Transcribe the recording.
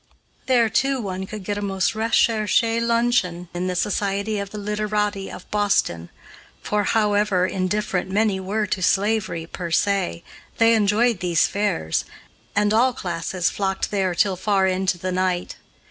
There, too, one could get a most recherché luncheon in the society of the literati of Boston; for, however indifferent many were to slavery per se, they enjoyed these fairs, and all classes flocked there till far into the night.